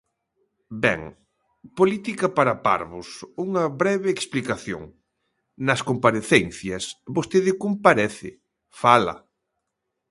Ben, política para parvos, unha breve explicación: nas comparecencias, vostede comparece, fala.